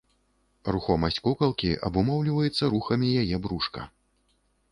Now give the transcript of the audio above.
Рухомасць кукалкі абумоўліваецца рухамі яе брушка.